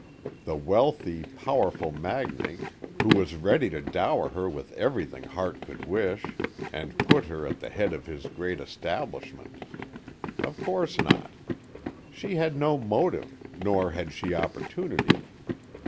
The wealthy, powerful magnate, who was ready to dower her with everything heart could wish and put her at the head of his great establishment. Of course not. She had no motive, nor had she opportunity.